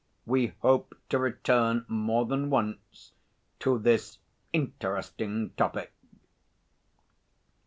We hope to return more than once to this interesting topic."